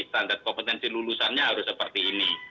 standar kompetensi lulusannya harus seperti ini